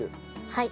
はい。